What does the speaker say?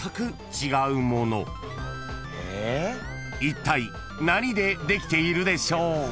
［いったい何でできているでしょう？］